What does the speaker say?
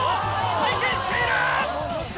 回転している！